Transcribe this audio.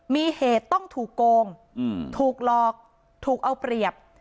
มีเหตุต้องถูกโกงถูกหลอกถูกเอาเปรียบ